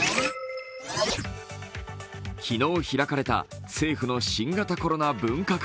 昨日開かれた政府の新型コロナ分科会。